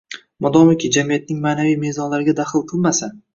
— madomiki jamiyatning ma’naviy mezonlariga daxl qilmasa